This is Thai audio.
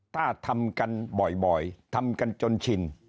ถ้าทำกันบ่อยทำกันจนชิน